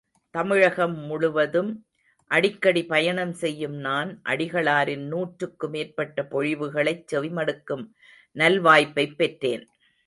தமிழகம் முழுவதும் அடிக்கடி பயணம் செய்யும் நான் அடிகளாரின் நூற்றுக்கு மேற்பட்ட பொழிவுகளைச் செவிமடுக்கும் நல்வாய்ப்பைப் பெற்றேன்.